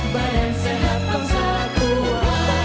badan sehat bangsa kuat